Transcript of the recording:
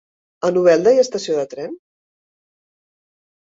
A Novelda hi ha estació de tren?